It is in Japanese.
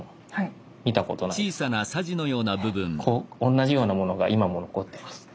同じようなものが今も残ってます。